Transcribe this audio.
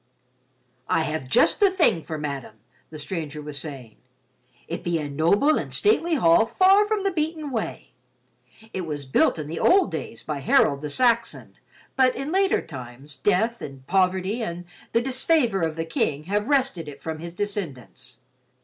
"I have just the thing for madame," the stranger was saying. "It be a noble and stately hall far from the beaten way. It was built in the old days by Harold the Saxon, but in later times, death and poverty and the disfavor of the King have wrested it from his descendants.